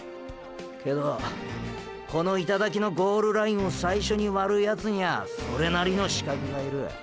けどこの頂のゴールラインを最初に割るヤツにゃそれなりの“資格”がいる。